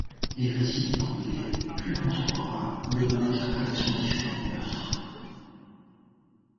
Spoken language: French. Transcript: Les récits anglais plus contemporains donnent une interprétation différente du meurtre.